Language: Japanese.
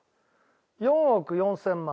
４億４０００万。